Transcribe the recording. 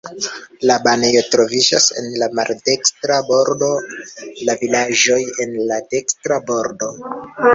La banejo troviĝas en la maldekstra bordo, la vilaĝoj en la dekstra bordo.